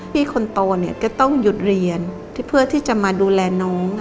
พี่คนโตเนี่ยจะต้องหยุดเรียนเพื่อที่จะมาดูแลน้อง